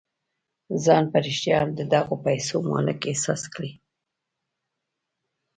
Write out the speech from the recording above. ځان په رښتيا هم د دغو پيسو مالک احساس کړئ.